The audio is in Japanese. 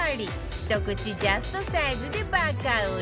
ひと口ジャストサイズでバカ売れ